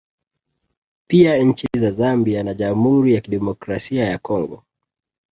Pia nchi za Zambia na Jamhuri ya Kidemokrasia ya Congo